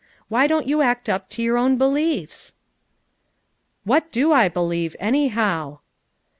Why don't you act up to your own beliefs?" "What do I believe, anyhow?"